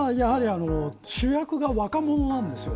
主役が若者なんです。